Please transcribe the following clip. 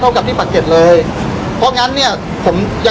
พี่แจงในประเด็นที่เกี่ยวข้องกับความผิดที่ถูกเกาหา